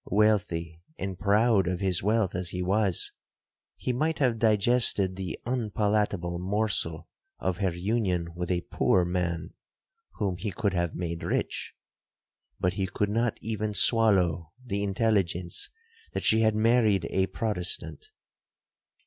Wealthy, and proud of his wealth as he was, he might have digested the unpalatable morsel of her union with a poor man, whom he could have made rich; but he could not even swallow the intelligence that she had married a Protestant.